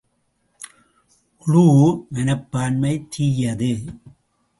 குழூஉ மனப்பான்மை தீயது!